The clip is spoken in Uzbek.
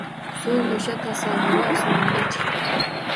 So‘ng o‘sha tasavvuri osmoniga chiqdi